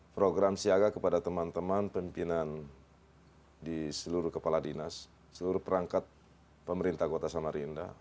program siaga kepada teman teman pimpinan di seluruh kepala dinas seluruh perangkat pemerintah kota samarinda